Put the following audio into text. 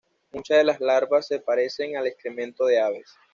Muchas de las larvas se parecen al excremento de aves.